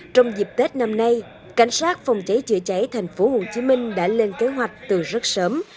trong dịp tết năm nay cảnh sát phòng cháy chữa cháy tp hcm đã lên kế hoạch từ rất sớm